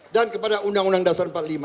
dan kepada undang undang dasar empat puluh lima